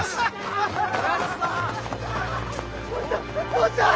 坊ちゃん！